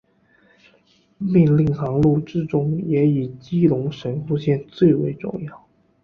命令航路之中也以基隆神户线最为重要。